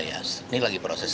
ini sekarang lagi proses